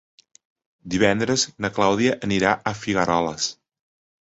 Divendres na Clàudia anirà a Figueroles.